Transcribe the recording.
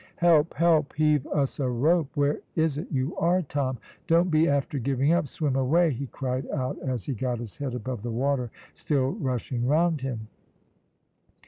"Help! help! Heave us a rope. Where is it you are, Tom? Don't be after giving up swim away," he cried out, as he got his head above the water still rushing round him.